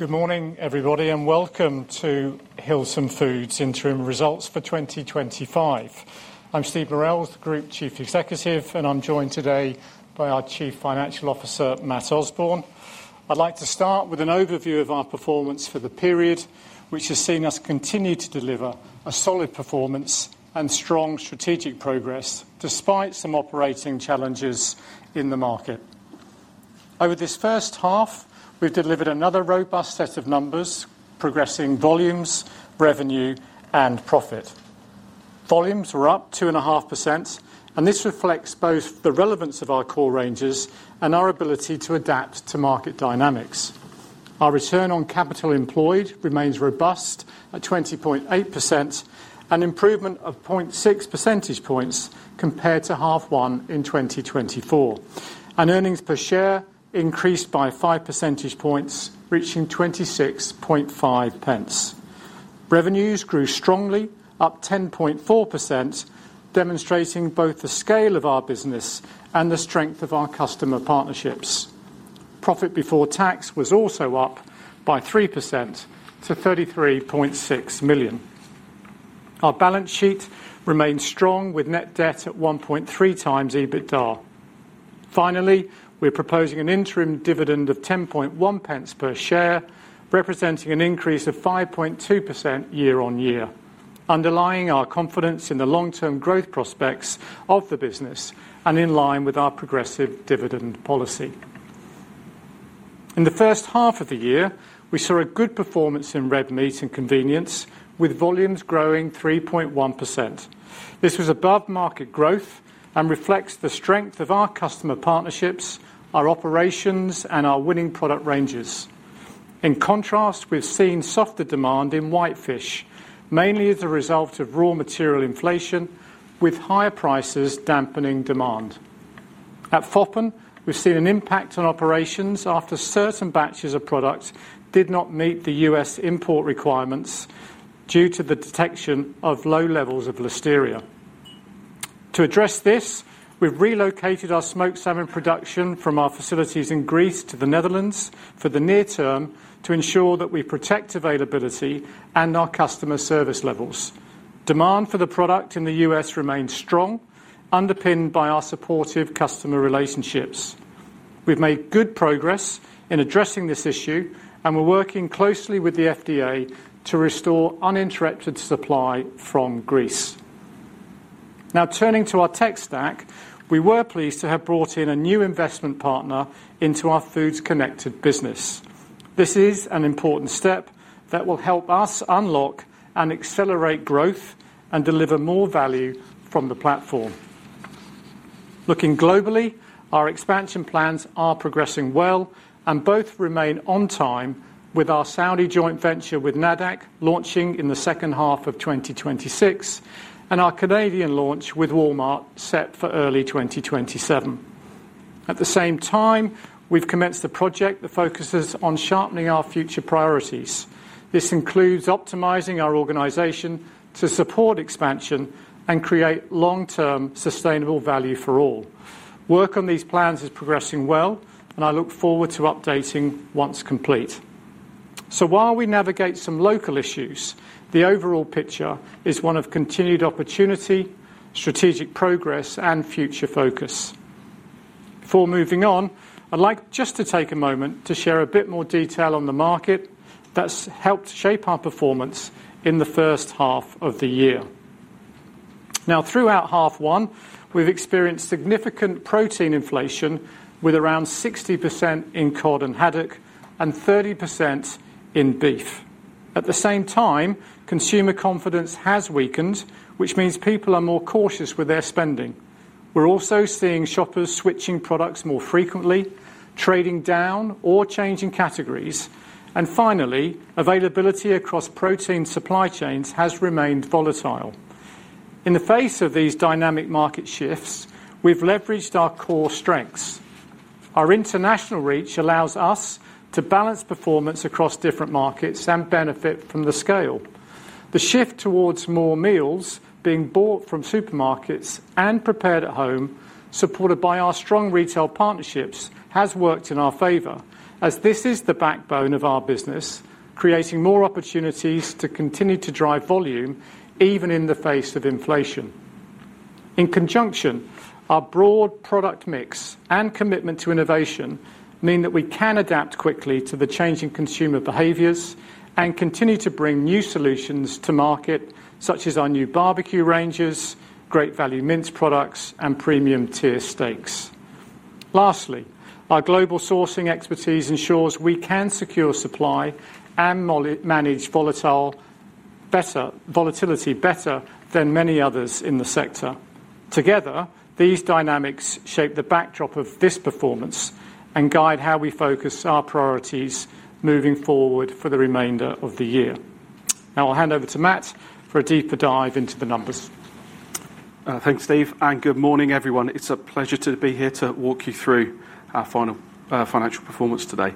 Good morning, everybody, and welcome to Hilton Food Group's interim results for 2025. I'm Steve Murrells, Group Chief Executive, and I'm joined today by our Chief Financial Officer, Matt Osborne. I'd like to start with an overview of our performance for the period, which has seen us continue to deliver a solid performance and strong strategic progress despite some operating challenges in the market. Over this first half, we've delivered another robust set of numbers, progressing volumes, revenue, and profit. Volumes were up 2.5%, and this reflects both the relevance of our core ranges and our ability to adapt to market dynamics. Our return on capital employed remains robust at 20.8%, an improvement of 0.6 percentage points compared to half one in 2024. Earnings per share increased by 5 percentage points, reaching 0.265. Revenues grew strongly, up 10.4%, demonstrating both the scale of our business and the strength of our customer partnerships. Profit before tax was also up by 3% to 33.6 million. Our balance sheet remains strong with net debt at 1.3x EBITDA. Finally, we're proposing an interim dividend of 0.101 per share, representing an increase of 5.2% year-on-year, underlying our confidence in the long-term growth prospects of the business and in line with our progressive dividend policy. In the first half of the year, we saw a good performance in red meat and convenience, with volumes growing 3.1%. This was above market growth and reflects the strength of our customer partnerships, our operations, and our winning product ranges. In contrast, we've seen softer demand in white fish, mainly as a result of raw material inflation, with higher prices dampening demand. At Foppen, we've seen an impact on operations after certain batches of products did not meet the U.S. import requirements due to the detection of low levels of listeria. To address this, we've relocated our smoked salmon production from our facilities in Greece to the Netherlands for the near term to ensure that we protect availability and our customer service levels. Demand for the product in the U.S. remains strong, underpinned by our supportive customer relationships. We've made good progress in addressing this issue, and we're working closely with the FDA to restore uninterrupted supply from Greece. Now, turning to our tech stack, we were pleased to have brought in a new investment partner into our Foods Connected business. This is an important step that will help us unlock and accelerate growth and deliver more value from the platform. Looking globally, our expansion plans are progressing well, and both remain on time with our Saudi joint venture with NADEC launching in the second half of 2026 and our Canadian launch with Walmart set for early 2027. At the same time, we've commenced a project that focuses on sharpening our future priorities. This includes optimizing our organization to support expansion and create long-term sustainable value for all. Work on these plans is progressing well, and I look forward to updating once complete. While we navigate some local issues, the overall picture is one of continued opportunity, strategic progress, and future focus. Before moving on, I'd like just to take a moment to share a bit more detail on the market that's helped shape our performance in the first half of the year. Now, throughout half one, we've experienced significant protein inflation, with around 60% in cod and haddock and 30% in beef. At the same time, consumer confidence has weakened, which means people are more cautious with their spending. We're also seeing shoppers switching products more frequently, trading down or changing categories, and finally, availability across protein supply chains has remained volatile. In the face of these dynamic market shifts, we've leveraged our core strengths. Our international reach allows us to balance performance across different markets and benefit from the scale. The shift towards more meals being bought from supermarkets and prepared at home, supported by our strong retail partnerships, has worked in our favor, as this is the backbone of our business, creating more opportunities to continue to drive volume even in the face of inflation. In conjunction, our broad product mix and commitment to innovation mean that we can adapt quickly to the changing consumer behaviors and continue to bring new solutions to market, such as our new barbecue ranges, great value mince products, and premium tier steaks. Lastly, our global sourcing expertise ensures we can secure supply and manage volatility better than many others in the sector. Together, these dynamics shape the backdrop of this performance and guide how we focus our priorities moving forward for the remainder of the year. Now, I'll hand over to Matt for a deeper dive into the numbers. Thanks, Steve, and good morning, everyone. It's a pleasure to be here to walk you through our final financial performance today.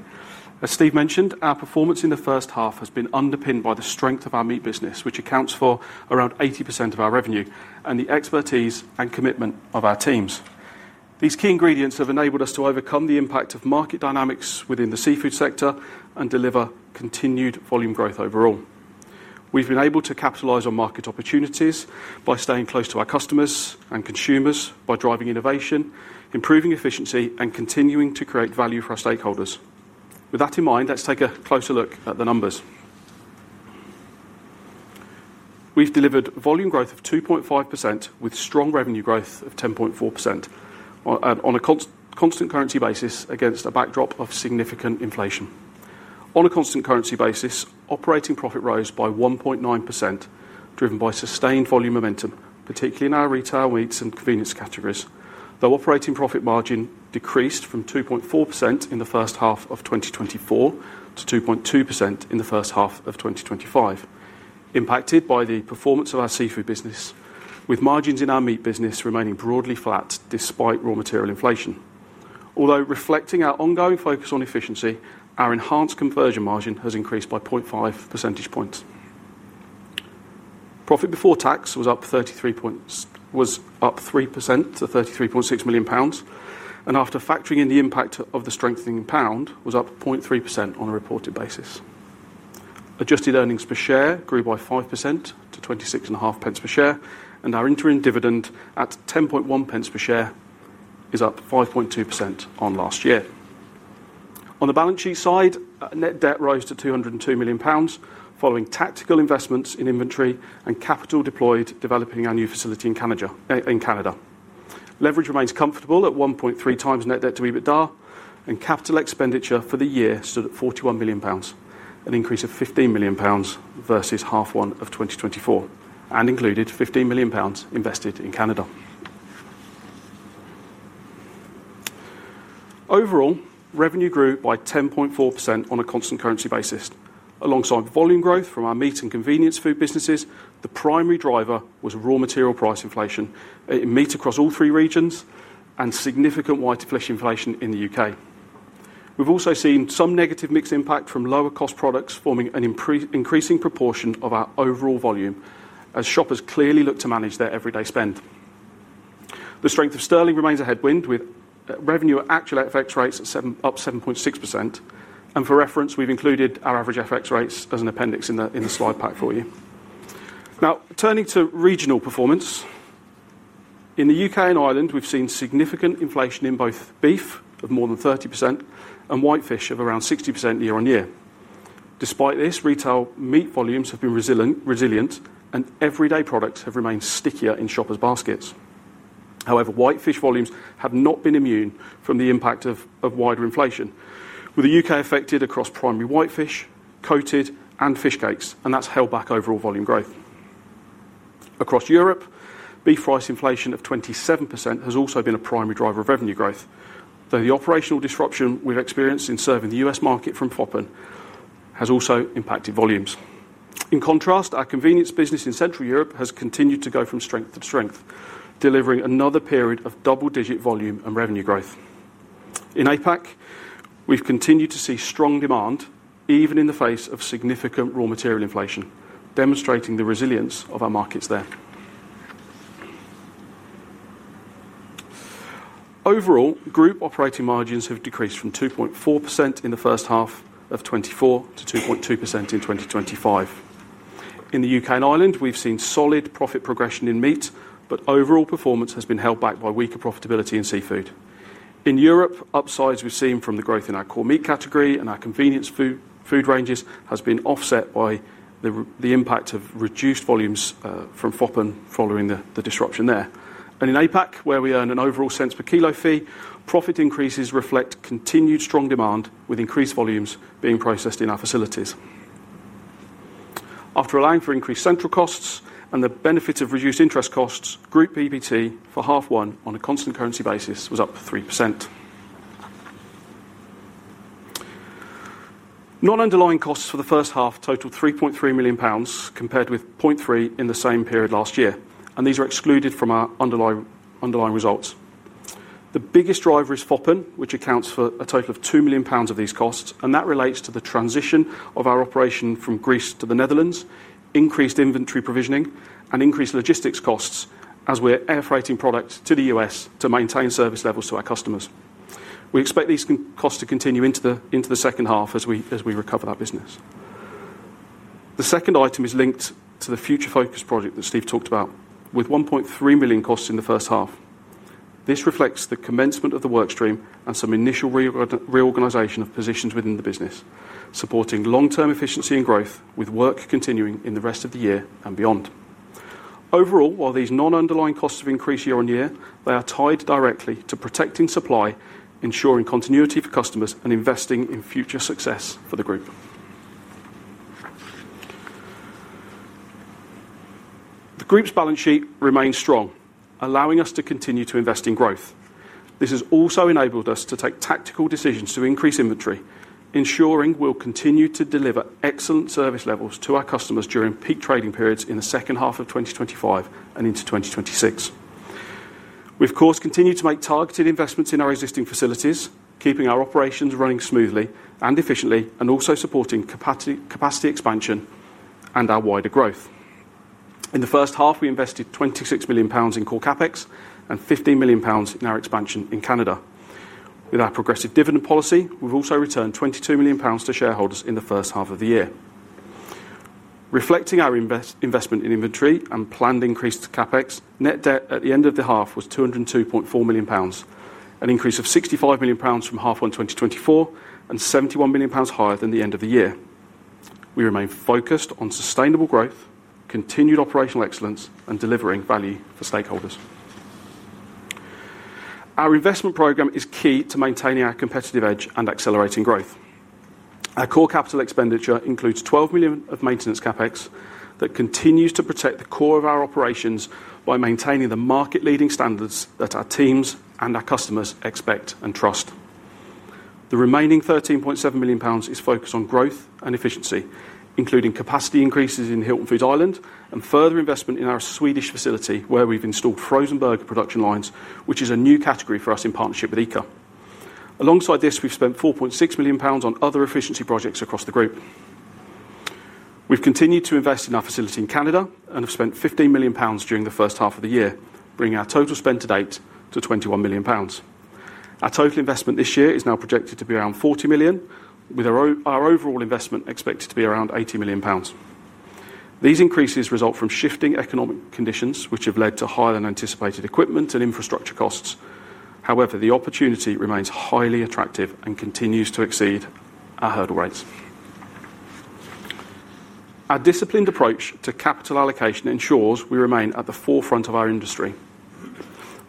As Steve mentioned, our performance in the first half has been underpinned by the strength of our meat business, which accounts for around 80% of our revenue, and the expertise and commitment of our teams. These key ingredients have enabled us to overcome the impact of market dynamics within the seafood sector and deliver continued volume growth overall. We've been able to capitalize on market opportunities by staying close to our customers and consumers, by driving innovation, improving efficiency, and continuing to create value for our stakeholders. With that in mind, let's take a closer look at the numbers. We've delivered volume growth of 2.5% with strong revenue growth of 10.4% on a constant currency basis against a backdrop of significant inflation. On a constant currency basis, operating profit rose by 1.9%, driven by sustained volume momentum, particularly in our retail meats and convenience categories, though operating profit margin decreased from 2.4% in the first half of 2024 to 2.2% in the first half of 2025, impacted by the performance of our seafood business, with margins in our meat business remaining broadly flat despite raw material inflation. Although reflecting our ongoing focus on efficiency, our enhanced conversion margin has increased by 0.5 percentage points. Profit before tax was up 3% to 33.6 million pounds, and after factoring in the impact of the strengthening pound, was up 0.3% on a reported basis. Adjusted earnings per share grew by 5% to 0.265 per share, and our interim dividend at 0.101 per share is up 5.2% on last year. On the balance sheet side, net debt rose to 202 million pounds following tactical investments in inventory and capital deployed developing our new facility in Canada. Leverage remains comfortable at 1.3 x net debt to EBITDA and capital expenditure for the year stood at 41 million pounds, an increase of 15 million pounds versus half one of 2024, and included 15 million pounds invested in Canada. Overall, revenue grew by 10.4% on a constant currency basis. Alongside volume growth from our meat and convenience food businesses, the primary driver was raw material price inflation in meat across all three regions and significant white flesh inflation in the U.K.. We've also seen some negative mix impact from lower cost products forming an increasing proportion of our overall volume as shoppers clearly look to manage their everyday spend. The strength of sterling remains a headwind with revenue at actual FX rates up 7.6%, and for reference, we've included our average FX rates as an appendix in the slide pack for you. Now, turning to regional performance, in the U.K. and Ireland, we've seen significant inflation in both beef of more than 30% and white fish of around 60% year-on-year. Despite this, retail meat volumes have been resilient and everyday products have remained stickier in shoppers' baskets. However, white fish volumes have not been immune from the impact of wider inflation, with the U.K. affected across primary white fish, coated, and fish cakes, and that's held back overall volume growth. Across Europe, beef price inflation of 27% has also been a primary driver of revenue growth, though the operational disruption we've experienced in serving the U.S. market from Foppen has also impacted volumes. In contrast, our convenience business in Central Europe has continued to go from strength to strength, delivering another period of double-digit volume and revenue growth. In APAC, we've continued to see strong demand even in the face of significant raw material inflation, demonstrating the resilience of our markets there. Overall, group operating margins have decreased from 2.4% in the first half of 2024 to 2.2% in 2025. In the U.K. and Ireland, we've seen solid profit progression in meat, but overall performance has been held back by weaker profitability in seafood. In Europe, upsides we've seen from the growth in our core meat category and our convenience food ranges have been offset by the impact of reduced volumes from Foppen following the disruption there. In APAC, where we earn an overall cents per kilo fee, profit increases reflect continued strong demand with increased volumes being processed in our facilities. After allowing for increased central costs and the benefits of reduced interest costs, group PPT for half one on a constant currency basis was up 3%. Non-underlying costs for the first half totaled 3.3 million pounds compared with 0.3 million in the same period last year, and these are excluded from our underlying results. The biggest driver is Foppen, which accounts for a total of 2 million pounds of these costs, and that relates to the transition of our operation from Greece to the Netherlands, increased inventory provisioning, and increased logistics costs as we're airfreighting products to the U.S. to maintain service levels to our customers. We expect these costs to continue into the second half as we recover that business. The second item is linked to the future focus project that Steve Murrells talked about, with 1.3 million costs in the first half. This reflects the commencement of the workstream and some initial reorganisation of positions within the business, supporting long-term efficiency and growth with work continuing in the rest of the year and beyond. Overall, while these non-underlying costs have increased year on year, they are tied directly to protecting supply, ensuring continuity for customers, and investing in future success for the group. The group's balance sheet remains strong, allowing us to continue to invest in growth. This has also enabled us to take tactical decisions to increase inventory, ensuring we'll continue to deliver excellent service levels to our customers during peak trading periods in the second half of 2025 and into 2026. We've, of course, continued to make targeted investments in our existing facilities, keeping our operations running smoothly and efficiently, and also supporting capacity expansion and our wider growth. In the first half, we invested 26 million pounds in core CapEx and 15 million pounds in our expansion in Canada. With our progressive dividend policy, we've also returned 22 million pounds to shareholders in the first half of the year. Reflecting our investment in inventory and planned increased CapEx, net debt at the end of the half was 202.4 million pounds, an increase of 65 million pounds from half one 2024 and 71 million pounds higher than the end of the year. We remain focused on sustainable growth, continued operational excellence, and delivering value for stakeholders. Our investment program is key to maintaining our competitive edge and accelerating growth. Our core capital expenditure includes 12 million of maintenance CapEx that continues to protect the core of our operations by maintaining the market-leading standards that our teams and our customers expect and trust. The remaining 13.7 million pounds is focused on growth and efficiency, including capacity increases in Hilton Foods Ireland and further investment in our Swedish facility where we've installed frozen burger production lines, which is a new category for us in partnership with ICA. Alongside this, we've spent 4.6 million pounds on other efficiency projects across the group. We've continued to invest in our facility in Canada and have spent 15 million pounds during the first half of the year, bringing our total spend to date to 21 million pounds. Our total investment this year is now projected to be around 40 million, with our overall investment expected to be around 80 million pounds. These increases result from shifting economic conditions, which have led to higher than anticipated equipment and infrastructure costs. However, the opportunity remains highly attractive and continues to exceed our hurdle rates. Our disciplined approach to capital allocation ensures we remain at the forefront of our industry,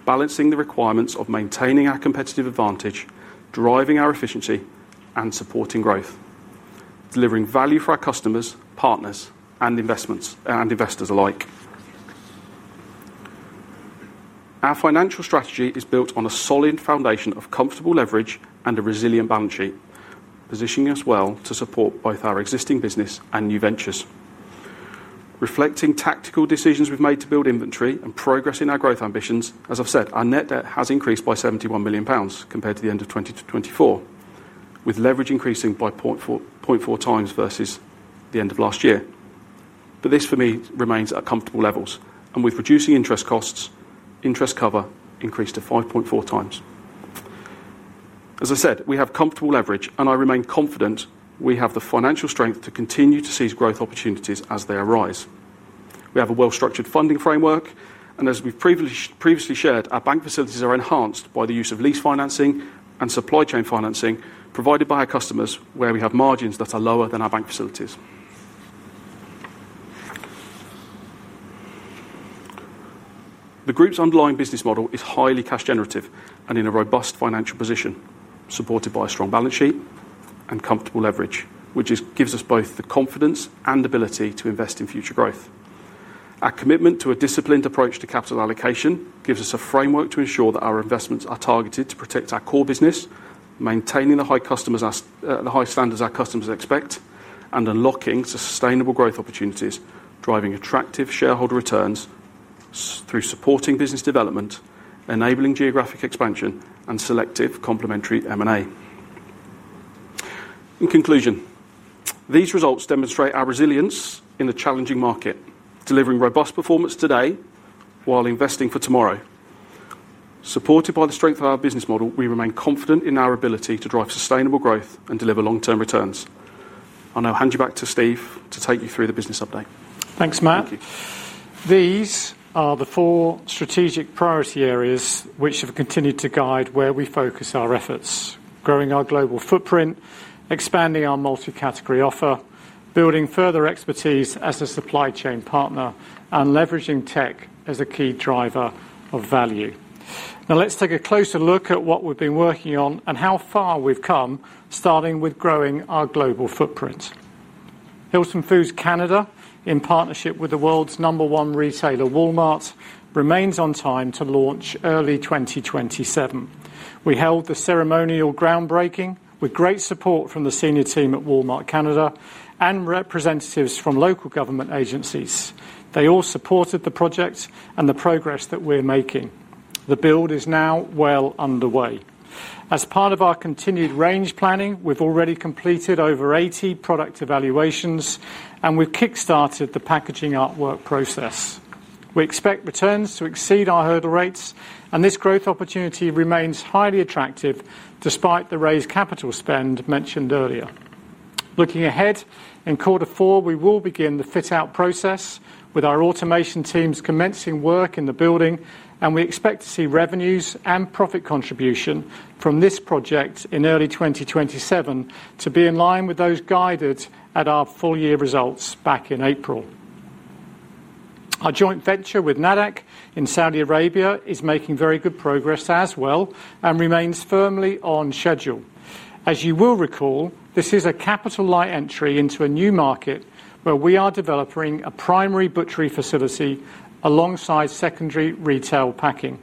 balancing the requirements of maintaining our competitive advantage, driving our efficiency, and supporting growth, delivering value for our customers, partners, and investors alike. Our financial strategy is built on a solid foundation of comfortable leverage and a resilient balance sheet, positioning us well to support both our existing business and new ventures. Reflecting tactical decisions we've made to build inventory and progressing our growth ambitions, as I've said, our net debt has increased by 71 million pounds compared to the end of 2024, with leverage increasing by 0.4x versus the end of last year. This for me remains at comfortable levels, and with reducing interest costs, interest cover increased to 5.4x. As I said, we have comfortable leverage, and I remain confident we have the financial strength to continue to seize growth opportunities as they arise. We have a well-structured funding framework, and as we've previously shared, our bank facilities are enhanced by the use of lease financing and supply chain financing provided by our customers, where we have margins that are lower than our bank facilities. The group's underlying business model is highly cash generative and in a robust financial position, supported by a strong balance sheet and comfortable leverage, which gives us both the confidence and ability to invest in future growth. Our commitment to a disciplined approach to capital allocation gives us a framework to ensure that our investments are targeted to protect our core business, maintaining the high standards our customers expect and unlocking sustainable growth opportunities, driving attractive shareholder returns through supporting business development, enabling geographic expansion, and selective complementary M&A. In conclusion, these results demonstrate our resilience in a challenging market, delivering robust performance today while investing for tomorrow. Supported by the strength of our business model, we remain confident in our ability to drive sustainable growth and deliver long-term returns. I'll now hand you back to Steve to take you through the business update. Thanks, Matt. These are the four strategic priority areas which have continued to guide where we focus our efforts: growing our global footprint, expanding our multi-category offer, building further expertise as a supply chain partner, and leveraging tech as a key driver of value. Now let's take a closer look at what we've been working on and how far we've come, starting with growing our global footprint. Hilton Food Canada, in partnership with the world's number one retailer, Walmart, remains on time to launch early 2027. We held the ceremonial groundbreaking with great support from the senior team at Walmart Canada and representatives from local government agencies. They all supported the project and the progress that we're making. The build is now well underway. As part of our continued range planning, we've already completed over 80 product evaluations, and we've kickstarted the packaging artwork process. We expect returns to exceed our hurdle rates, and this growth opportunity remains highly attractive despite the raised capital spend mentioned earlier. Looking ahead, in quarter four, we will begin the fit-out process with our automation teams commencing work in the building, and we expect to see revenues and profit contribution from this project in early 2027 to be in line with those guided at our full-year results back in April. Our joint venture with NADEC in Saudi Arabia is making very good progress as well and remains firmly on schedule. As you will recall, this is a capital light entry into a new market where we are developing a primary butchery facility alongside secondary retail packing.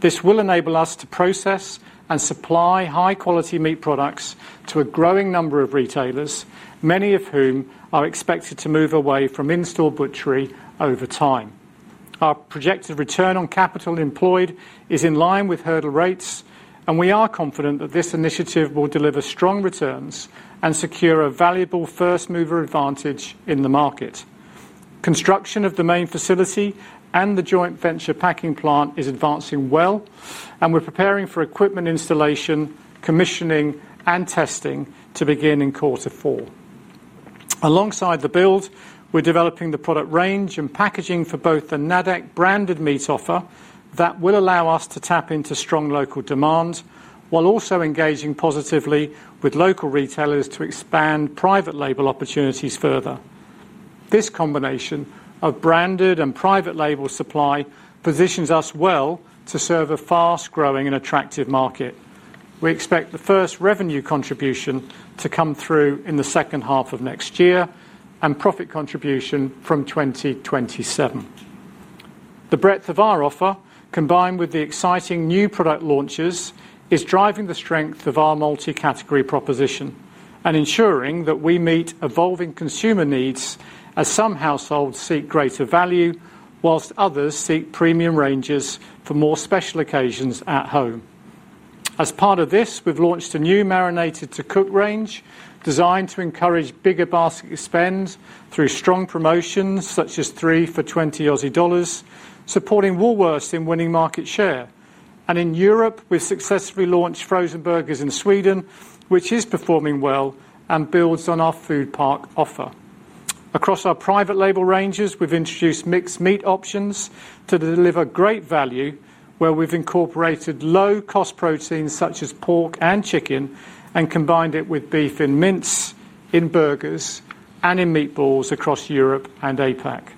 This will enable us to process and supply high-quality meat products to a growing number of retailers, many of whom are expected to move away from in-store butchery over time. Our projected return on capital employed is in line with hurdle rates, and we are confident that this initiative will deliver strong returns and secure a valuable first-mover advantage in the market. Construction of the main facility and the joint venture packing plant is advancing well, and we're preparing for equipment installation, commissioning, and testing to begin in quarter four. Alongside the build, we're developing the product range and packaging for both the NADEC branded meat offer that will allow us to tap into strong local demand while also engaging positively with local retailers to expand private label opportunities further. This combination of branded and private label supply positions us well to serve a fast-growing and attractive market. We expect the first revenue contribution to come through in the second half of next year and profit contribution from 2027. The breadth of our offer, combined with the exciting new product launches, is driving the strength of our multi-category proposition and ensuring that we meet evolving consumer needs as some households seek greater value whilst others seek premium ranges for more special occasions at home. As part of this, we've launched a new marinated to cook range designed to encourage bigger basket spend through strong promotions such as three for $20, supporting Woolworths in winning market share. In Europe, we've successfully launched frozen burgers in Sweden, which is performing well and builds on our food park offer. Across our private label ranges, we've introduced mixed meat options to deliver great value where we've incorporated low-cost proteins such as pork and chicken and combined it with beef and mince in burgers and in meatballs across Europe and APAC.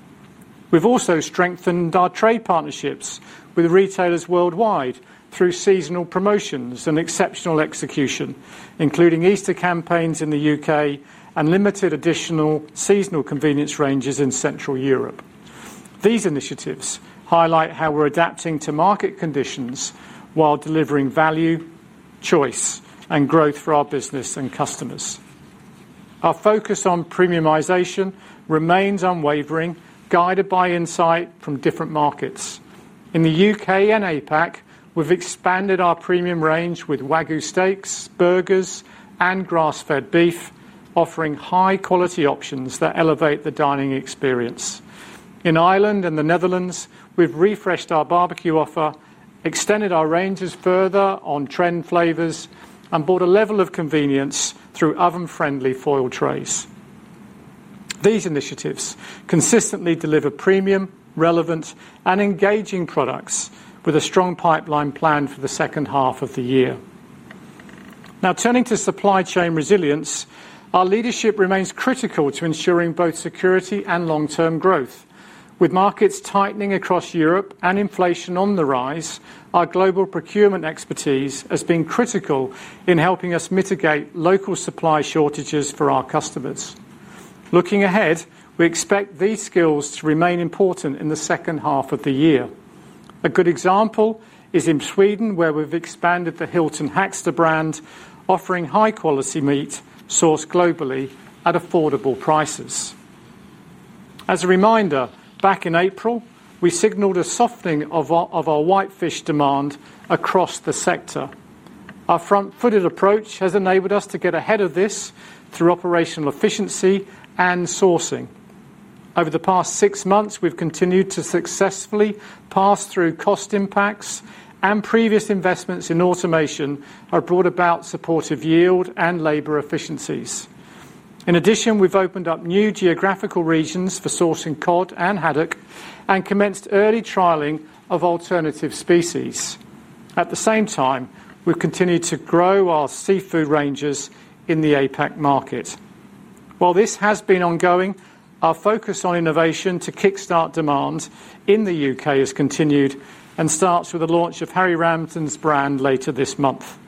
We've also strengthened our trade partnerships with retailers worldwide through seasonal promotions and exceptional execution, including Easter campaigns in the U.K. and limited additional seasonal convenience ranges in Central Europe. These initiatives highlight how we're adapting to market conditions while delivering value, choice, and growth for our business and customers. Our focus on premiumization remains unwavering, guided by insight from different markets. In the U.K. and APAC, we've expanded our premium range with Wagyu steaks, burgers, and grass-fed beef, offering high-quality options that elevate the dining experience. In Ireland and the Netherlands, we've refreshed our barbecue offer, extended our ranges further on trend flavors, and brought a level of convenience through oven-friendly foil trays. These initiatives consistently deliver premium, relevant, and engaging products with a strong pipeline planned for the second half of the year. Now, turning to supply chain resilience, our leadership remains critical to ensuring both security and long-term growth. With markets tightening across Europe and inflation on the rise, our global procurement expertise has been critical in helping us mitigate local supply shortages for our customers. Looking ahead, we expect these skills to remain important in the second half of the year. A good example is in Sweden, where we've expanded the Hilton Hacksta brand, offering high-quality meat sourced globally at affordable prices. As a reminder, back in April, we signaled a softening of our white fish demand across the sector. Our front-footed approach has enabled us to get ahead of this through operational efficiency and sourcing. Over the past six months, we've continued to successfully pass through cost impacts, and previous investments in automation have brought about supportive yield and labor efficiencies. In addition, we've opened up new geographical regions for sourcing cod and haddock and commenced early trialing of alternative species. At the same time, we've continued to grow our seafood ranges in the APAC market. While this has been ongoing, our focus on innovation to kickstart demand in the U.K. has continued and starts with the launch of Harry Ramsden’s brand later this month.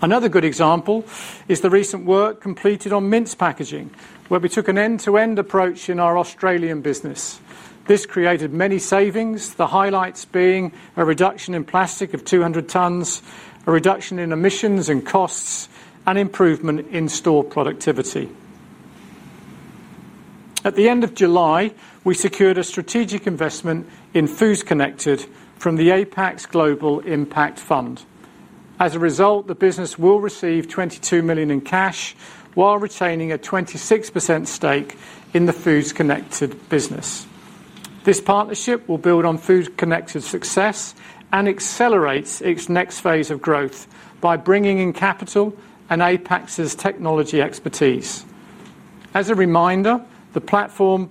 Another good example is the recent work completed on mince packaging, where we took an end-to-end approach in our Australian business. This created many savings, the highlights being a reduction in plastic of 200 tons, a reduction in emissions and costs, and improvement in store productivity. At the end of July, we secured a strategic investment in Foods Connected from APAC’s Global Impact Fund. As a result, the business will receive 22 million in cash while retaining a 26% stake in the Foods Connected business. This partnership will build on Foods Connected's success and accelerate its next phase of growth by bringing in capital and APAC’s technology expertise. As a reminder, the platform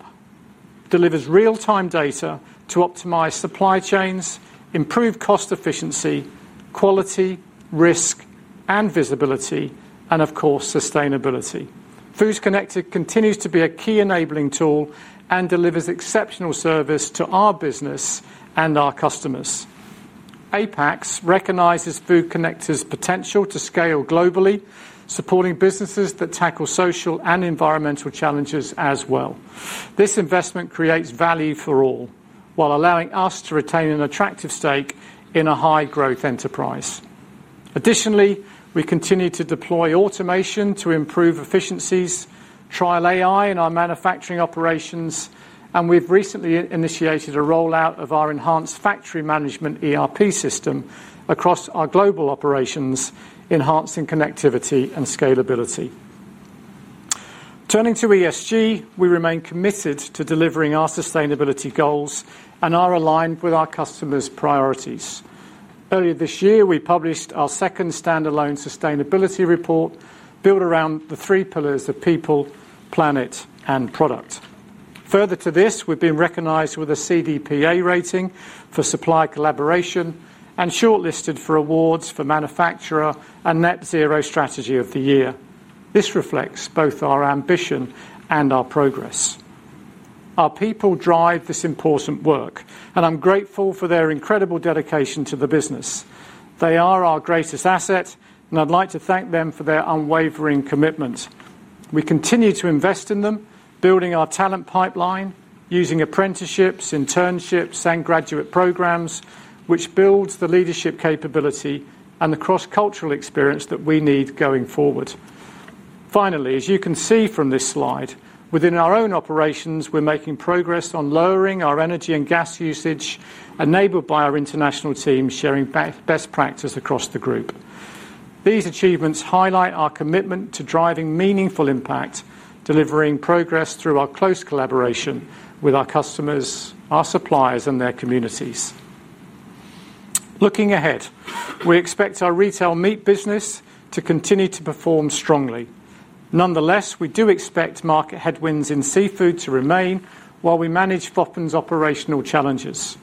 delivers real-time data to optimize supply chains, improve cost efficiency, quality, risk, and visibility, and of course, sustainability. Foods Connected continues to be a key enabling tool and delivers exceptional service to our business and our customers. APAC recognizes Foods Connected's potential to scale globally, supporting businesses that tackle social and environmental challenges as well. This investment creates value for all while allowing us to retain an attractive stake in a high-growth enterprise. Additionally, we continue to deploy automation to improve efficiencies, trial AI in our manufacturing operations, and we've recently initiated a rollout of our enhanced factory management ERP system across our global operations, enhancing connectivity and scalability. Turning to ESG, we remain committed to delivering our sustainability goals and are aligned with our customers' priorities. Earlier this year, we published our second standalone sustainability report built around the three pillars of people, planet, and product. Further to this, we've been recognized with a CDPA rating for supply collaboration and shortlisted for awards for manufacturer and net zero strategy of the year. This reflects both our ambition and our progress. Our people drive this important work, and I'm grateful for their incredible dedication to the business. They are our greatest asset, and I'd like to thank them for their unwavering commitment. We continue to invest in them, building our talent pipeline, using apprenticeships, internships, and graduate programs, which builds the leadership capability and the cross-cultural experience that we need going forward. Finally, as you can see from this slide, within our own operations, we're making progress on lowering our energy and gas usage, enabled by our international team sharing best practice across the group. These achievements highlight our commitment to driving meaningful impact, delivering progress through our close collaboration with our customers, our suppliers, and their communities. Looking ahead, we expect our retail meat business to continue to perform strongly. Nonetheless, we do expect market headwinds in seafood to remain while we manage Foppen's operational challenges.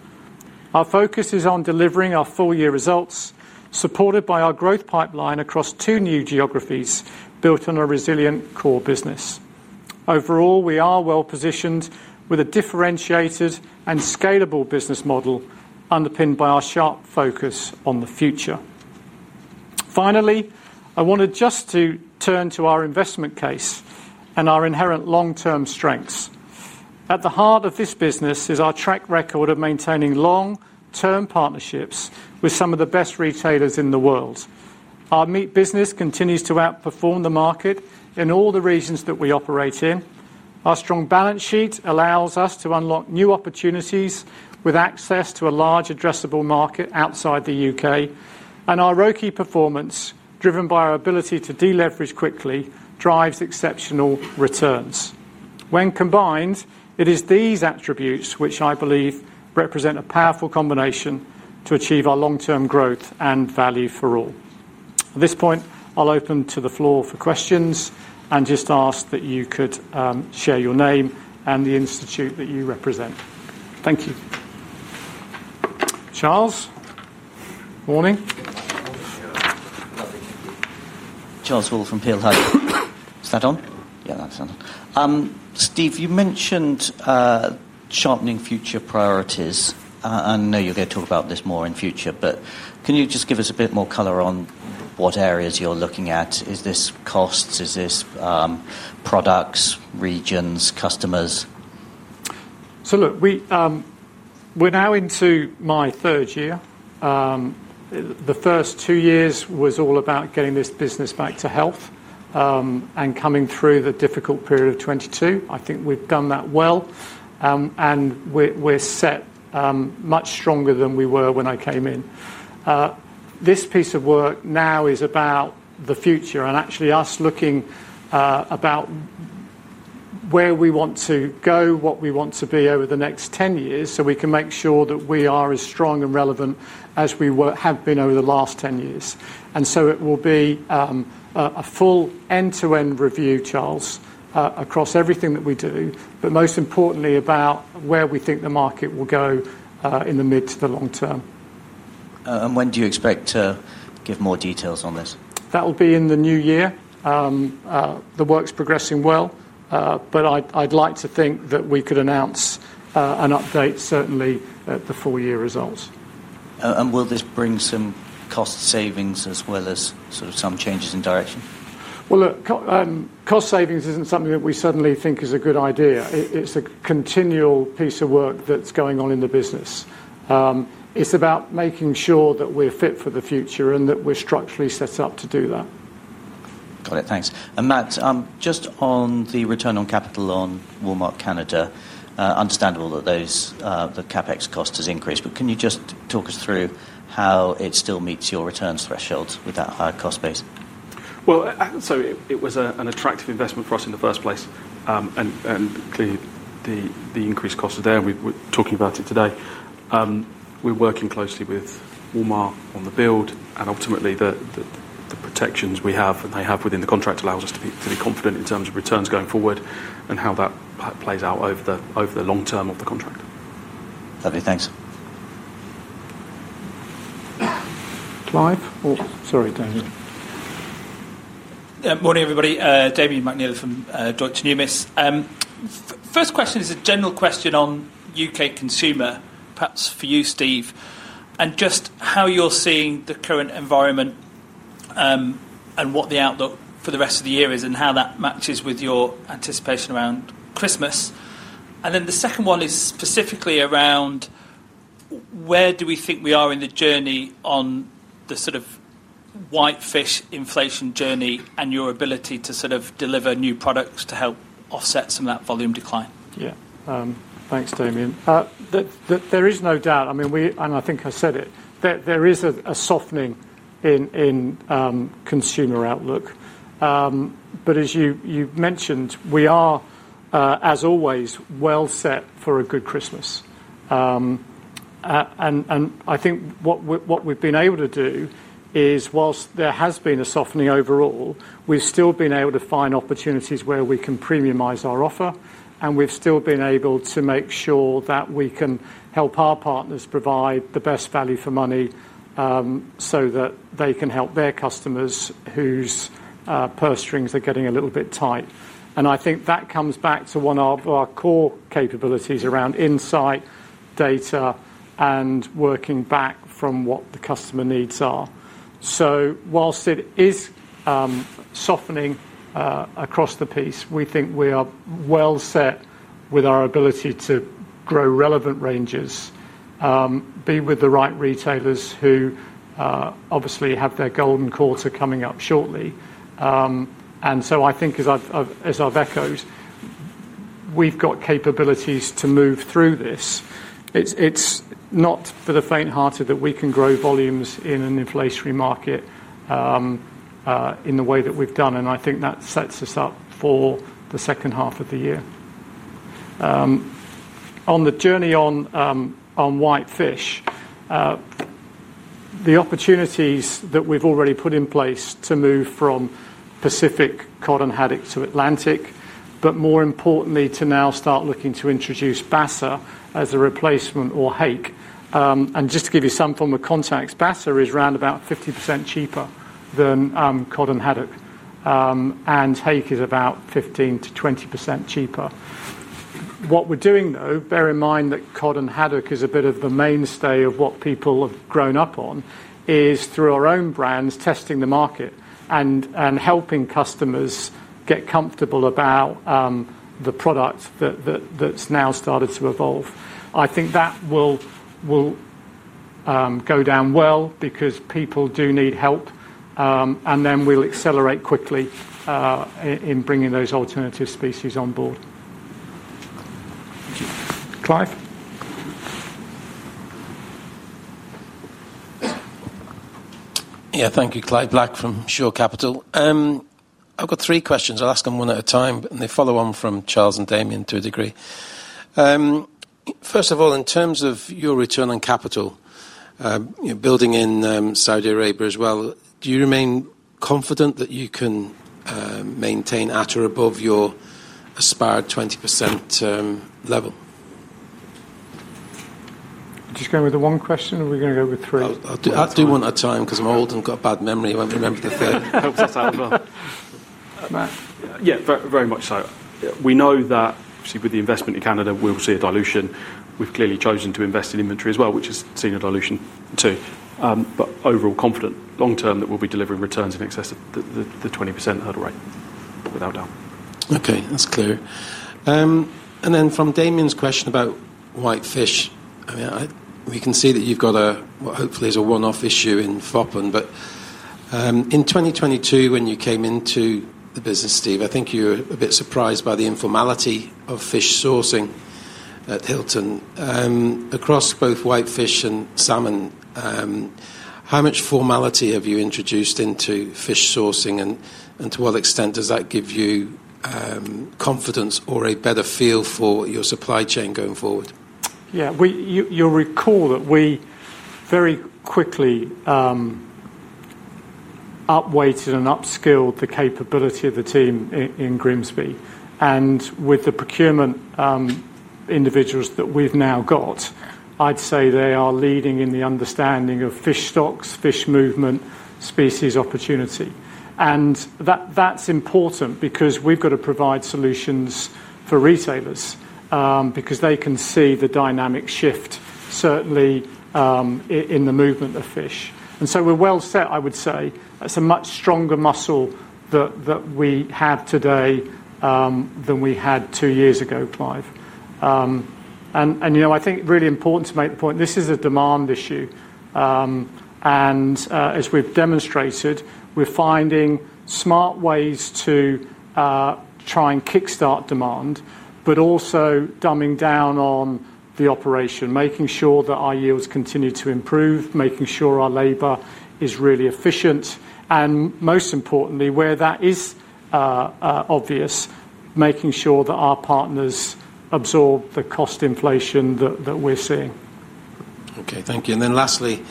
Our focus is on delivering our full-year results, supported by our growth pipeline across two new geographies built on a resilient core business. Overall, we are well-positioned with a differentiated and scalable business model underpinned by our sharp focus on the future. Finally, I wanted just to turn to our investment case and our inherent long-term strengths. At the heart of this business is our track record of maintaining long-term partnerships with some of the best retailers in the world. Our meat business continues to outperform the market in all the regions that we operate in. Our strong balance sheet allows us to unlock new opportunities with access to a large addressable market outside the U.K., and our ROCE performance, driven by our ability to deleverage quickly, drives exceptional returns. When combined, it is these attributes which I believe represent a powerful combination to achieve our long-term growth and value for all. At this point, I'll open to the floor for questions and just ask that you could share your name and the institute that you represent. Thank you. Charles? Morning. Charles Hall from Peel Hunt. Yeah, that's on. Steve, you mentioned sharpening future priorities, and I know you're going to talk about this more in the future, but can you just give us a bit more color on what areas you're looking at? Is this costs? Is this products, regions, customers? We're now into my third year. The first two years were all about getting this business back to health and coming through the difficult period of 2022. I think we've done that well, and we're set much stronger than we were when I came in. This piece of work now is about the future and actually us looking about where we want to go, what we want to be over the next 10 years, so we can make sure that we are as strong and relevant as we have been over the last 10 years. It will be a full end-to-end review, Charles, across everything that we do, but most importantly about where we think the market will go in the mid to the long term. When do you expect to give more details on this? That will be in the new year. The work's progressing well, and I'd like to think that we could announce an update certainly at the full-year results. Will this bring some cost savings as well as some changes in direction? Cost savings isn't something that we suddenly think is a good idea. It's a continual piece of work that's going on in the business. It's about making sure that we're fit for the future and that we're structurally set up to do that. Got it, thanks. Matt, just on the return on capital on Walmart Canada, understandable that the CapEx cost has increased, can you just talk us through how it still meets your return thresholds with that higher cost base? It was an attractive investment for us in the first place, and clearly the increased costs are there, and we were talking about it today. We're working closely with Walmart on the build, and ultimately the protections we have and they have within the contract allow us to be confident in terms of returns going forward and how that plays out over the long term of the contract. Perfect, thanks. Live? Oh, sorry, Damian. Morning everybody, Damian McNeela from Deutsche Numis. First question is a general question on U.K. consumer, perhaps for you, Steve, just how you're seeing the current environment and what the outlook for the rest of the year is and how that matches with your anticipation around Christmas. The second one is specifically around where do we think we are in the journey on the sort of white fish inflation journey and your ability to sort of deliver new products to help offset some of that volume decline? Yeah, thanks Damian. There is no doubt, I mean, and I think I said it, there is a softening in consumer outlook. As you mentioned, we are, as always, well set for a good Christmas. I think what we've been able to do is, whilst there has been a softening overall, we've still been able to find opportunities where we can premiumize our offer, and we've still been able to make sure that we can help our partners provide the best value for money so that they can help their customers whose purse strings are getting a little bit tight. I think that comes back to one of our core capabilities around insight, data, and working back from what the customer needs are. Whilst it is softening across the piece, we think we are well set with our ability to grow relevant ranges, be with the right retailers who obviously have their golden quarter coming up shortly. I think, as I've echoed, we've got capabilities to move through this. It's not for the faint-hearted that we can grow volumes in an inflationary market in the way that we've done, and I think that sets us up for the second half of the year. On the journey on white fish, the opportunities that we've already put in place to move from Pacific cod and haddock to Atlantic, but more importantly to now start looking to introduce Basa as a replacement or Hake. Just to give you some form of context, Basa is around about 50% cheaper than cod and haddock, and Hake is about 15% to 20% cheaper. What we're doing though, bear in mind that cod and haddock is a bit of the mainstay of what people have grown up on, is through our own brands testing the market and helping customers get comfortable about the product that's now started to evolve. I think that will go down well because people do need help, and then we'll accelerate quickly in bringing those alternative species on board. Thank you. Clive? Thank you, Clive Black from Shore Capital. I've got three questions. I'll ask them one at a time, and they follow on from Charles and Damian to a degree. First of all, in terms of your return on capital, you're building in Saudi Arabia as well, do you remain confident that you can maintain at or above your aspired 20% level? Could you just go with the one question or are we going to go with three? I'll do one at a time because I'm old and I've got a bad memory. I won't be remembering the third. Hope that's handled well. Matt? Yeah, very much so. We know that obviously with the investment in Canada, we'll see a dilution. We've clearly chosen to invest in inventory as well, which has seen a dilution too. Overall, confident long term that we'll be delivering returns in excess of the 20% hurdle rate, without a doubt. Okay, that's clear. Regarding Damian's question about white fish, we can see that you've got what hopefully is a one-off issue in Foppen. In 2022, when you came into the business, Steve, I think you were a bit surprised by the informality of fish sourcing at Hilton. Across both white fish and salmon, how much formality have you introduced into fish sourcing, and to what extent does that give you confidence or a better feel for your supply chain going forward? Yeah, you'll recall that we very quickly upweighted and upskilled the capability of the team in Grimsby. With the procurement individuals that we've now got, I'd say they are leading in the understanding of fish stocks, fish movement, species opportunity. That's important because we've got to provide solutions for retailers because they can see the dynamic shift, certainly in the movement of fish. We're well set, I would say. It's a much stronger muscle that we have today than we had two years ago, Clyde. I think it's really important to make the point this is a demand issue. As we've demonstrated, we're finding smart ways to try and kickstart demand, but also doubling down on the operation, making sure that our yields continue to improve, making sure our labor is really efficient. Most importantly, where that is obvious, making sure that our partners absorb the cost inflation that we're seeing. Okay, thank you. Lastly,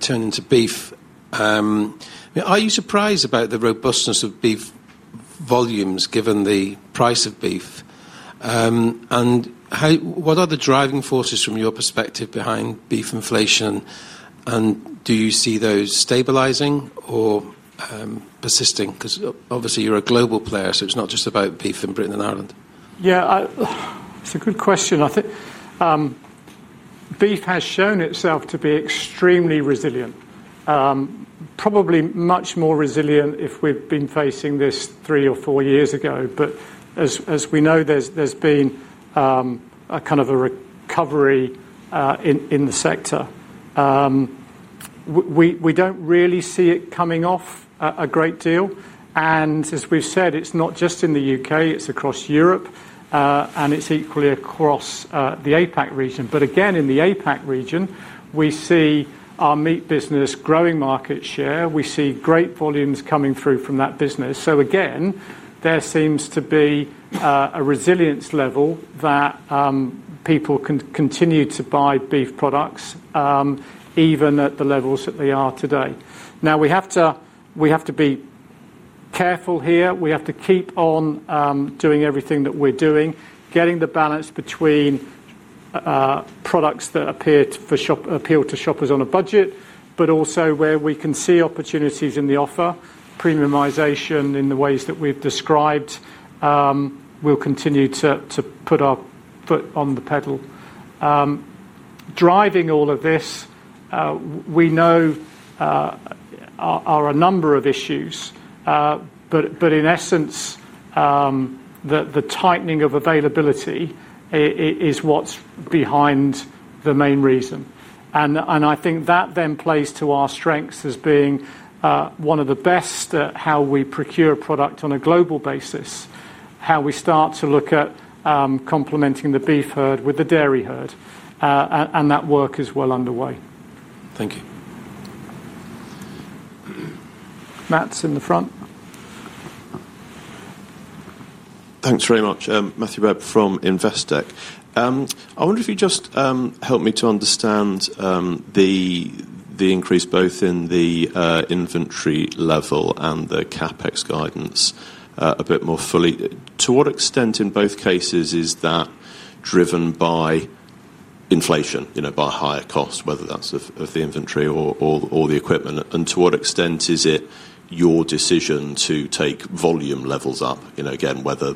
turning to beef, are you surprised about the robustness of beef volumes given the price of beef? What are the driving forces from your perspective behind beef inflation? Do you see those stabilizing or persisting? Obviously, you're a global player, so it's not just about beef in Britain and Ireland. Yeah, it's a good question. I think beef has shown itself to be extremely resilient, probably much more resilient if we'd been facing this three or four years ago. As we know, there's been a kind of a recovery in the sector. We don't really see it coming off a great deal. As we've said, it's not just in the U.K., it's across Europe, and it's equally across the APAC region. In the APAC region, we see our meat business growing market share. We see great volumes coming through from that business. There seems to be a resilience level that people can continue to buy beef products, even at the levels that they are today. Now we have to be careful here. We have to keep on doing everything that we're doing, getting the balance between products that appeal to shoppers on a budget, but also where we can see opportunities in the offer, premiumization in the ways that we've described. We'll continue to put our foot on the pedal. Driving all of this, we know, are a number of issues. In essence, the tightening of availability is what's behind the main reason. I think that then plays to our strengths as being one of the best at how we procure product on a global basis, how we start to look at complementing the beef herd with the dairy herd. That work is well underway. Thank you. Matt's in the front. Thanks very much, Matthew Webb from Investec. I wonder if you'd just help me to understand the increase both in the inventory level and the CapEx guidance a bit more fully. To what extent in both cases is that driven by inflation, you know, by higher cost, whether that's of the inventory or the equipment? To what extent is it your decision to take volume levels up, whether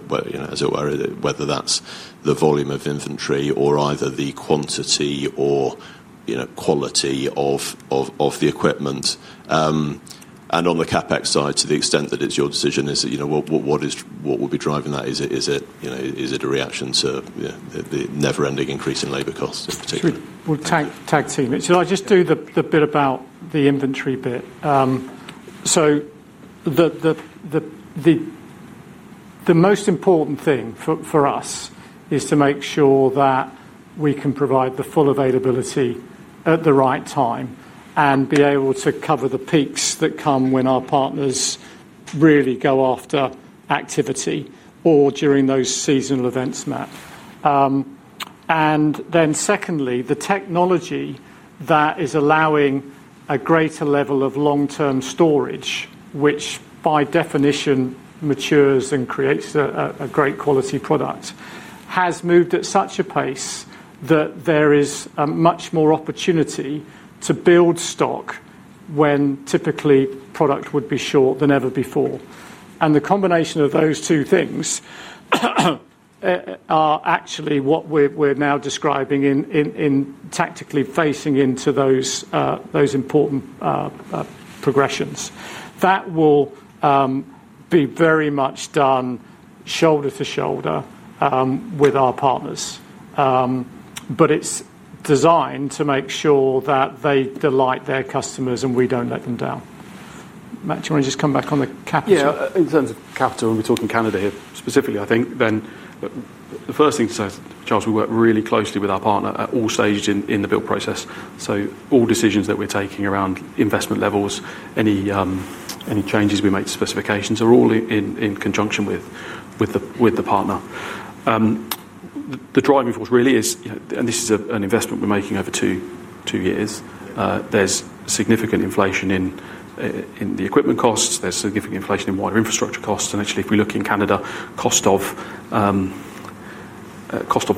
that's the volume of inventory or either the quantity or quality of the equipment? On the CapEx side, to the extent that it's your decision, what will be driving that? Is it a reaction to the never-ending increase in labor costs in particular? We'll tag team. Should I just do the bit about the inventory bit? The most important thing for us is to make sure that we can provide the full availability at the right time and be able to cover the peaks that come when our partners really go after activity or during those seasonal events, Matt. Secondly, the technology that is allowing a greater level of long-term storage, which by definition matures and creates a great quality product, has moved at such a pace that there is a much more opportunity to build stock when typically product would be short than ever before. The combination of those two things are actually what we're now describing in tactically facing into those important progressions. That will be very much done shoulder to shoulder with our partners. It's designed to make sure that they delight their customers and we don't let them down. Matt, do you want to just come back on the capital? Yeah, in terms of capital, we're talking Canada here specifically, I think. The first thing to say is, Charles, we work really closely with our partner at all stages in the build process. All decisions that we're taking around investment levels, any changes we make to specifications are all in conjunction with the partner. The driving force really is, and this is an investment we're making over two years, there's significant inflation in the equipment costs, there's significant inflation in wider infrastructure costs, and actually if we look in Canada, cost of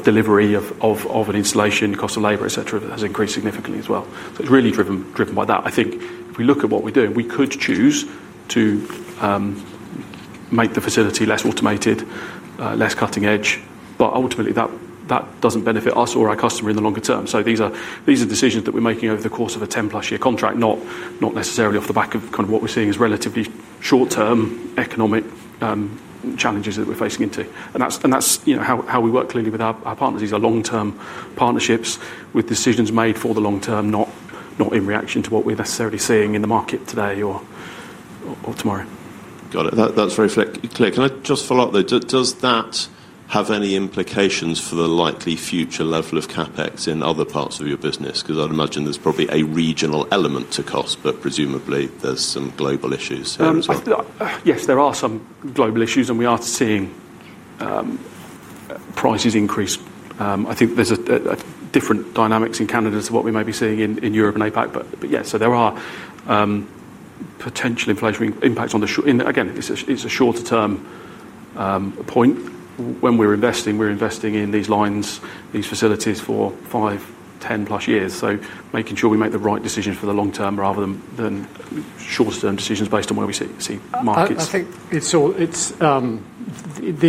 delivery of an installation, cost of labor, et c., has increased significantly as well. It's really driven by that. I think if we look at what we're doing, we could choose to make the facility less automated, less cutting edge, but ultimately that doesn't benefit us or our customer in the longer term. These are decisions that we're making over the course of a 10-plus year contract, not necessarily off the back of kind of what we're seeing as relatively short-term economic challenges that we're facing into. That's how we work clearly with our partners, these are long-term partnerships with decisions made for the long term, not in reaction to what we're necessarily seeing in the market today or tomorrow. Got it. That's very clear. Can I just follow up though? Does that have any implications for the likely future level of CapEx in other parts of your business? Because I'd imagine there's probably a regional element to cost, but presumably there's some global issues. Yes, there are some global issues and we are seeing prices increase. I think there's different dynamics in Canada to what we may be seeing in Europe and APAC, but yes, there are potential inflationary impacts in the short term. Again, it's a shorter-term point. When we're investing, we're investing in these lines, these facilities for five, 10+ years. Making sure we make the right decisions for the long term rather than short-term decisions based on where we see markets. I think it's all, it's the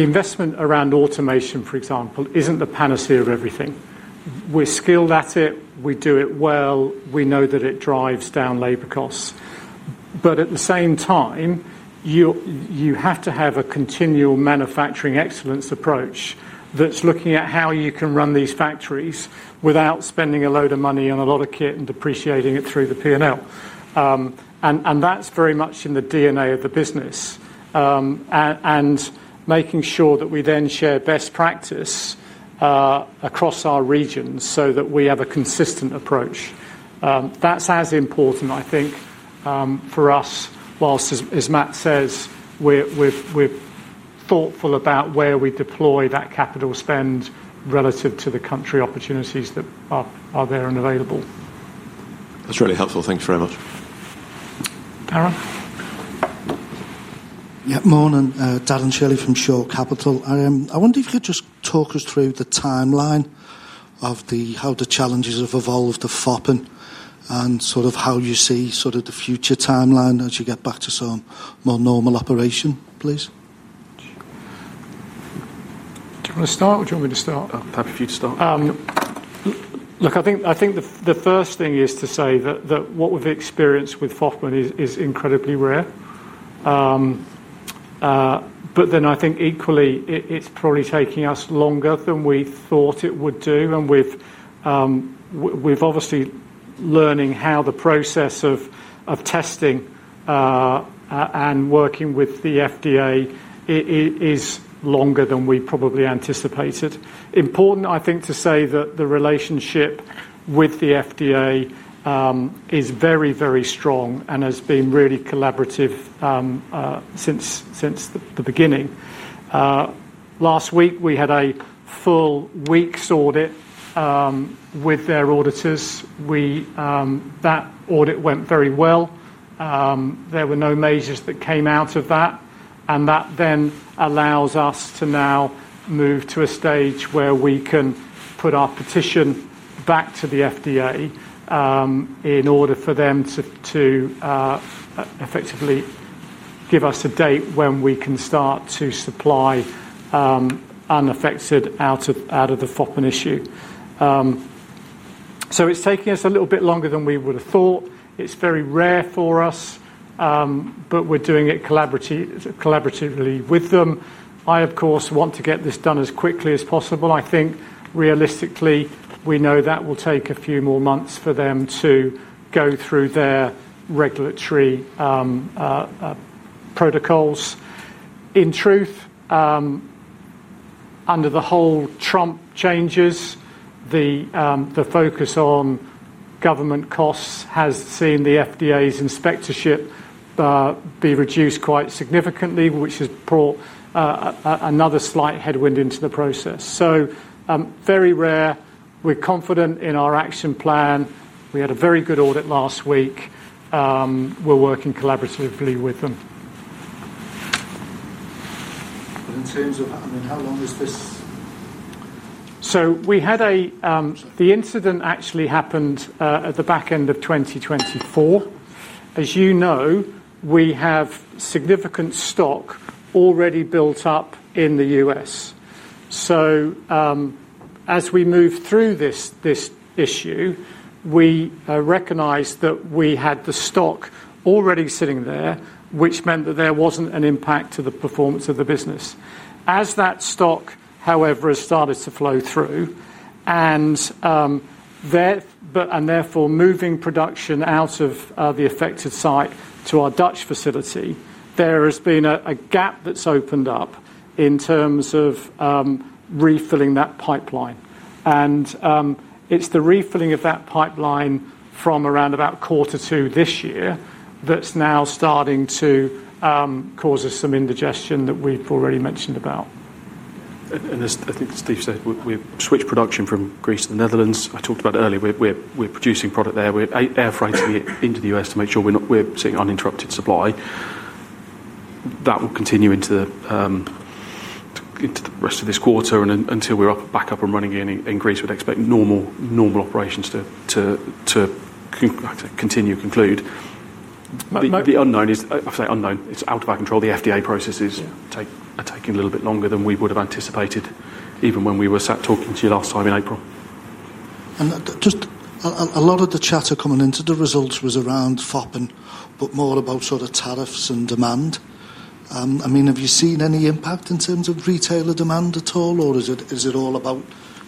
investment around automation, for example, isn't the panacea of everything. We're skilled at it, we do it well, we know that it drives down labor costs. At the same time, you have to have a continual manufacturing excellence approach that's looking at how you can run these factories without spending a load of money on a lot of kit and depreciating it through the P&L. That's very much in the DNA of the business. Making sure that we then share best practice across our regions so that we have a consistent approach is as important, I think, for us, whilst, as Matt says, we're thoughtful about where we deploy that capital spend relative to the country opportunities that are there and available. That's really helpful. Thanks very much. Yeah, morning. Darren Shirley from Shore Capital. I wonder if you could just talk us through the timeline of how the challenges have evolved at Foppen, and how you see the future timeline as you get back to some more normal operation, please. Do you want to start, or do you want me to start? I'll pack a few to start. I think the first thing is to say that what we've experienced with Foppen is incredibly rare. I think equally, it's probably taking us longer than we thought it would do. Obviously, learning how the process of testing and working with the FDA is longer than we probably anticipated. It's important, I think, to say that the relationship with the FDA is very, very strong and has been really collaborative since the beginning. Last week, we had a full week's audit with their auditors. That audit went very well. There were no measures that came out of that. That then allows us to now move to a stage where we can put our petition back to the FDA in order for them to effectively give us a date when we can start to supply unaffected out of the Foppen issue. It's taking us a little bit longer than we would have thought. It's very rare for us, but we're doing it collaboratively with them. I, of course, want to get this done as quickly as possible. I think realistically, we know that will take a few more months for them to go through their regulatory protocols. In truth, under the whole Trump changes, the focus on government costs has seen the FDA's inspectorship be reduced quite significantly, which has brought another slight headwind into the process. It's very rare. We're confident in our action plan. We had a very good audit last week. We're working collaboratively with them. In terms of, I mean, how long is this? The incident actually happened at the back end of 2024. As you know, we have significant stock already built up in the U.S. As we move through this issue, we recognize that we had the stock already sitting there, which meant that there wasn't an impact to the performance of the business. As that stock, however, has started to flow through, and therefore moving production out of the affected site to our Dutch facility, there has been a gap that's opened up in terms of refilling that pipeline. It's the refilling of that pipeline from around about quarter two this year that's now starting to cause us some indigestion that we've already mentioned about. I think Steve said we've switched production from Greece and the Netherlands. I talked about it earlier. We're producing product there, we're air freighting it into the U.S. to make sure we're seeing uninterrupted supply. That will continue into the rest of this quarter and until we're back up and running again in Greece, we'd expect normal operations to continue to conclude. The unknown is, I've said unknown, it's out of our control. The FDA processes are taking a little bit longer than we would have anticipated, even when we were sat talking to you last time in April. A lot of the chatter coming into the results was around Foppen, but more about tariffs and demand. Have you seen any impact in terms of retailer demand at all, or is it all about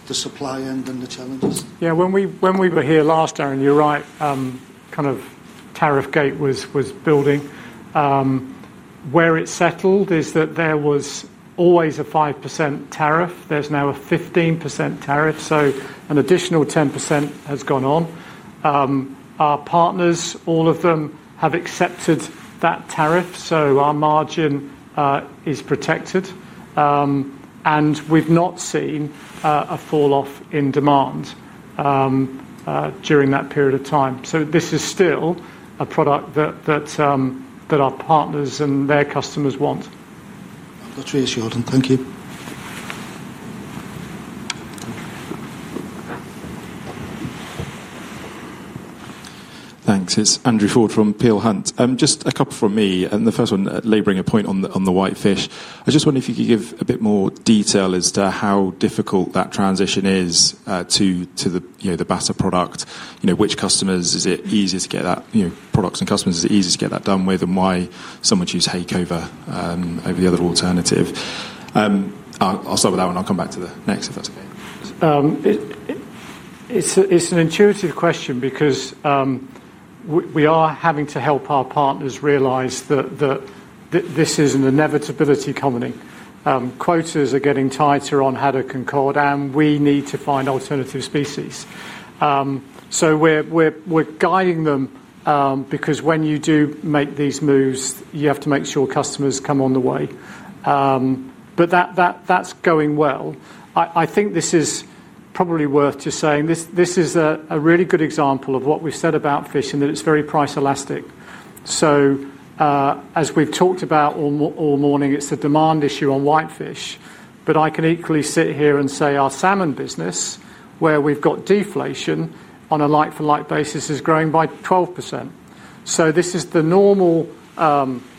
the supply end and the challenges? Yeah, when we were here last time, you're right, kind of tariff gate was building. Where it settled is that there was always a 5% tariff. There's now a 15% tariff, so an additional 10% has gone on. Our partners, all of them, have accepted that tariff, so our margin is protected. We've not seen a fall off in demand during that period of time. This is still a product that our partners and their customers want. Not reassured. Thank you. Thanks. It's Andrew Ford from Peel Hunt. Just a couple from me, and the first one at laboring a point on the white fish. I just wonder if you could give a bit more detail as to how difficult that transition is to the Basa product. You know, which customers is it easier to get that product in, customers is it easier to get that done with, and why so much use of Hake over the other alternative? I'll start with that one. I'll come back to the next if that's okay. It's an intuitive question because we are having to help our partners realize that this is an inevitability coming. Quotas are getting tighter on haddock and cod, and we need to find alternative species. We're guiding them because when you do make these moves, you have to make sure customers come on the way. That's going well. I think this is probably worth just saying, this is a really good example of what we've said about fish and that it's very price elastic. As we've talked about all morning, it's a demand issue on white fish. I can equally sit here and say our salmon business, where we've got deflation on a like-for-like basis, is growing by 12%. This is the normal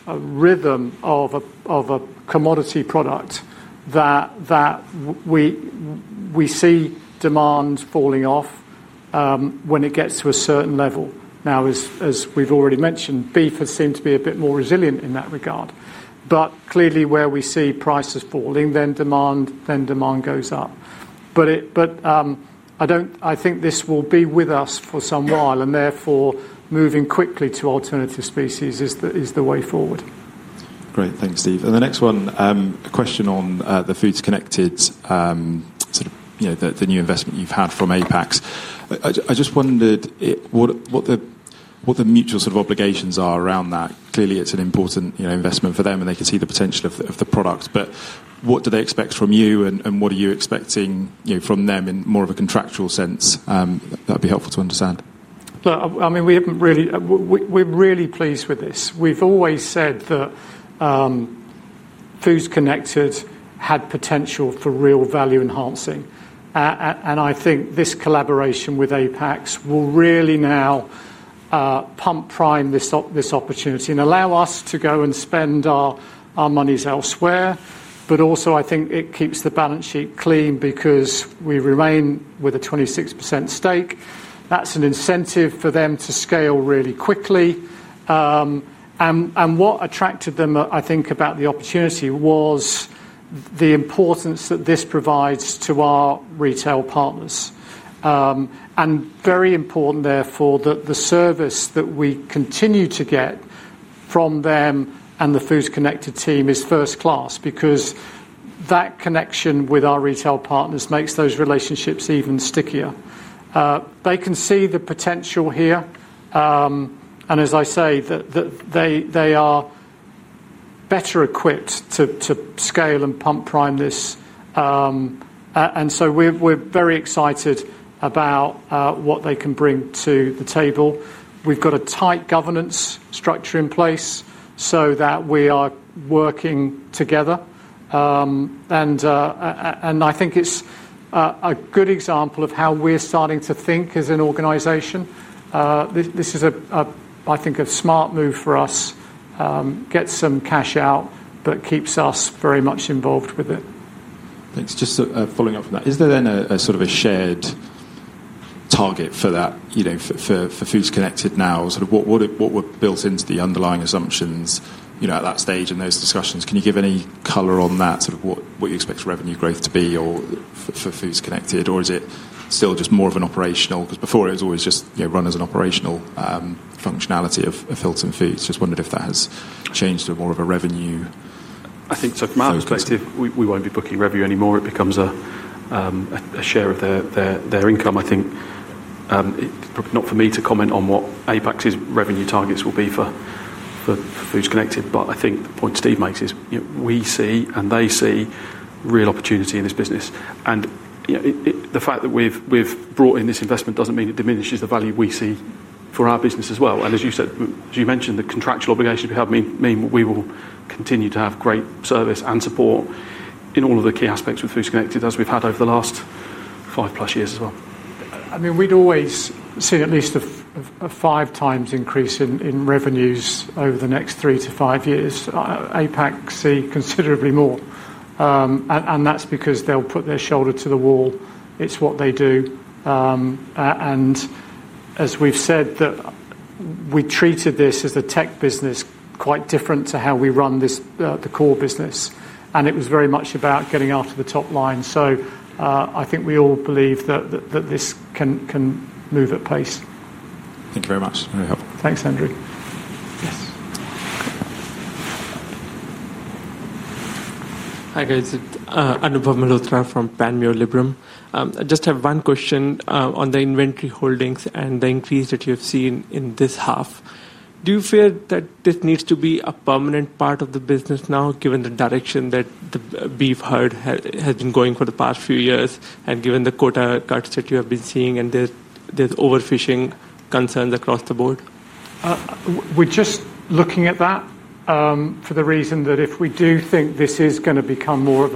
rhythm of a commodity product that we see demand falling off when it gets to a certain level. As we've already mentioned, beef has seemed to be a bit more resilient in that regard. Clearly, where we see prices falling, then demand goes up. I think this will be with us for some while, and therefore moving quickly to alternative species is the way forward. Great, thanks, Steve. The next one, a question on the Foods Connected, sort of the new investment you've had from APAC. I just wondered what the mutual sort of obligations are around that. Clearly, it's an important investment for them, and they can see the potential of the product. What do they expect from you, and what are you expecting from them in more of a contractual sense? That'd be helpful to understand. We're really pleased with this. We've always said that Foods Connected had potential for real value enhancing. I think this collaboration with APAC's will really now pump prime this opportunity and allow us to go and spend our money elsewhere. I think it keeps the balance sheet clean because we remain with a 26% stake. That's an incentive for them to scale really quickly. What attracted them, I think, about the opportunity was the importance that this provides to our retail partners. Very important, therefore, that the service that we continue to get from them and the Foods Connected team is first-class because that connection with our retail partners makes those relationships even stickier. They can see the potential here. As I say, they are better equipped to scale and pump prime this. We're very excited about what they can bring to the table. We've got a tight governance structure in place so that we are working together. I think it's a good example of how we're starting to think as an organization. This is, I think, a smart move for us. Gets some cash out, but keeps us very much involved with it. Thanks. Just following up from that, is there then a sort of a shared target for that, you know, for Foods Connected now? What were built into the underlying assumptions at that stage in those discussions? Can you give any color on that, what you expect revenue growth to be for Foods Connected? Or is it still just more of an operational? Because before it was always just run as an operational functionality of Hilton Food Group. Just wondered if that has changed to more of a revenue. I think, from our perspective, we won't be booking revenue anymore. It becomes a share of their income. I think it's probably not for me to comment on what APAC’s revenue targets will be for Foods Connected, but I think the point Steve makes is we see and they see real opportunity in this business. The fact that we've brought in this investment doesn't mean it diminishes the value we see for our business as well. As you mentioned, the contractual obligations we have mean we will continue to have great service and support in all of the key aspects with Foods Connected as we've had over the last 5-plus years as well. I mean, we'd always see at least a 5x increase in revenues over the next three to five years. APAC see considerably more. That's because they'll put their shoulder to the wall. It's what they do. As we've said, we treated this as a tech business, quite different to how we run the core business. It was very much about getting after the top line. I think we all believe that this can move at pace. Thank you very much. Thanks, Andrew. Yes. Hi guys, Anubhav Malhotra from Panmure Liberum. I just have one question on the inventory holdings and the increase that you have seen in this half. Do you feel that this needs to be a permanent part of the business now, given the direction that the beef herd has been going for the past few years, given the quota cuts that you have been seeing, and there's overfishing concerns across the board? We're just looking at that for the reason that if we do think this is going to become more of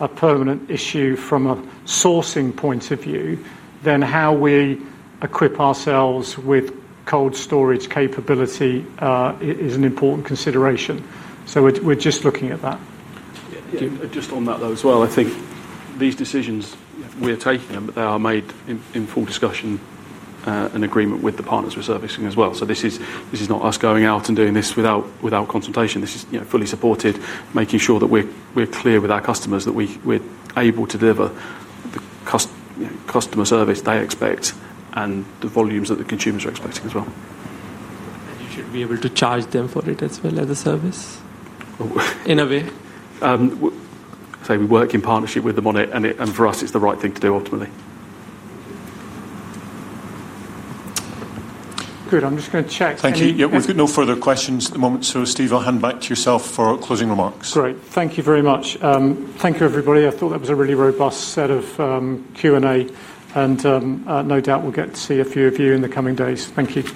a permanent issue from a sourcing point of view, then how we equip ourselves with cold storage capability is an important consideration. We're just looking at that. Just on that though as well, I think these decisions we're taking are made in full discussion and agreement with the partners we're servicing as well. This is not us going out and doing this without consultation. This is fully supported, making sure that we're clear with our customers that we're able to deliver the customer service they expect and the volumes that the consumers are expecting as well. You should be able to charge them for it as well as a service? We work in partnership with them on it, and for us, it's the right thing to do ultimately. Good. I'm just going to check. Thank you. We've got no further questions at the moment. Steve, I'll hand back to yourself for closing remarks. Great. Thank you very much. Thank you, everybody. I thought that was a really robust set of Q&A, and no doubt we'll get to see a few of you in the coming days. Thank you.